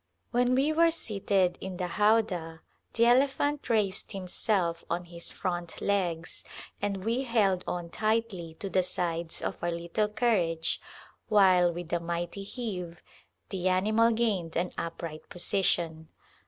When we were seated in the howdah the elephant raised him self on his front legs and we held on tightly to the sides of our little carriage while with a mighty heave the animal gained an upright position.